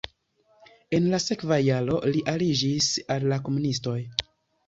En la sekva jaro li aliĝis al la komunistoj.